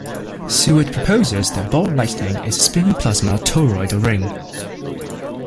Seward proposes that ball lightning is a spinning plasma toroid or ring.